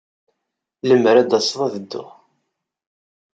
Lemmer ad d-taseḍ, ad dduɣ.